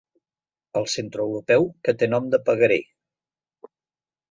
El centreeuropeu que té nom de pagaré.